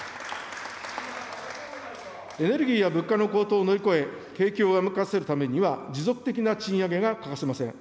エネルギーや物価の高騰を乗り越え、景気を上向かせるためには、持続的な賃上げが欠かせません。